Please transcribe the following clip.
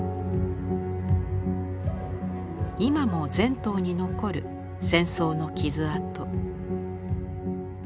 今も全島に残る戦争の傷痕。